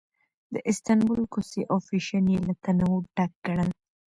د استانبول کوڅې او فېشن یې له تنوع ډک ګڼل.